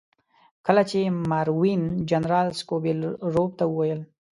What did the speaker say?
کله چې ماروین جنرال سکوبیلروف ته وویل.